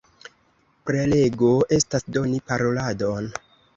Prelego estas doni paroladon.